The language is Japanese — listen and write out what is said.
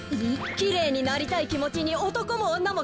きれいになりたいきもちにおとこもおんなもかわりないさ。